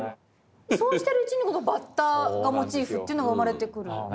そうしてるうちにこのバッタがモチーフというのが生まれてくる。